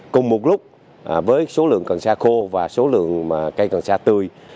cùng một lúc với số lượng cần xa khô và số lượng cây cần xa tươi